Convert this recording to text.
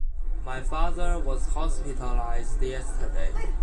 My father was hospitalized yesterday.